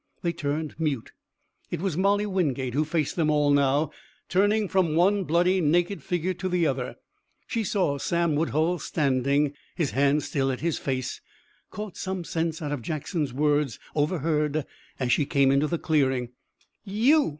They turned mute. It was Molly Wingate who faced them all now, turning from one bloody, naked figure to the other. She saw Sam Woodhull standing, his hands still at his face; caught some sense out of Jackson's words, overheard as she came into the clearing. "You!"